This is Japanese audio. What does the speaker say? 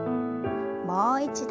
もう一度。